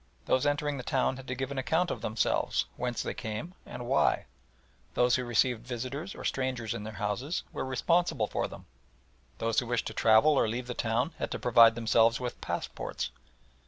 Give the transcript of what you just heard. Those entering the town had to give an account of themselves, whence they came and why. Those who received visitors or strangers in their houses were responsible for them. Those who wished to travel or leave the town had to provide themselves with passports.